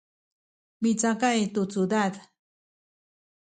micakay tu cudad